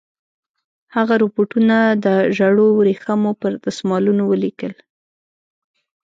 هغه رپوټونه د ژړو ورېښمو پر دسمالونو ولیکل.